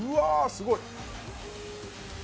すごい！